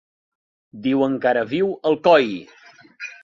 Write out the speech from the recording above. Diuen que ara viu a Alcoi.